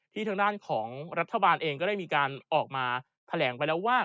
ทางด้านของรัฐบาลเองก็ได้มีการออกมาแถลงไปแล้วว่า